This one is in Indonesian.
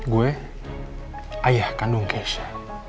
gue ayah kandung keisha